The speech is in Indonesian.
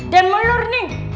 dia melur nih